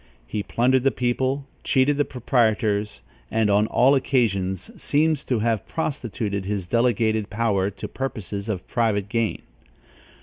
He plundered the people, cheated the proprietors, and on all occasions seems to have prostituted his delegated power to purposes of private gain.